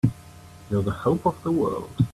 You're the hope of the world!